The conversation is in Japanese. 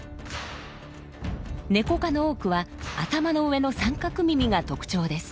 ネコ科の多くは頭の上の三角耳が特徴です。